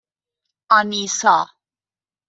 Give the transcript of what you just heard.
آنیسا